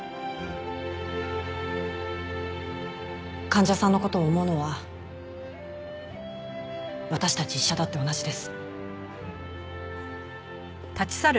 患者さんの事を思うのは私たち医者だって同じです。